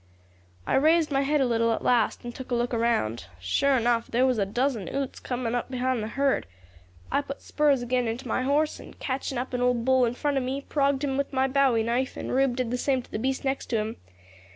"I raised my head a little at last, and took a look round. Sure enough, there was a dozen Utes coming up behind the herd. I puts spurs again into my horse, and, catching up an old bull in front of me, progged him with my bowie knife, and Rube did the same to the beast next to him.